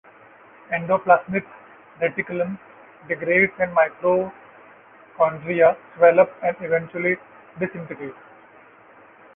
Endoplasmic reticulum degrades and mitochondria swell up and eventually disintegrate.